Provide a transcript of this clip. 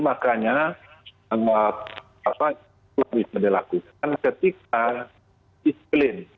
makanya apa yang bisa dilakukan ketika isklin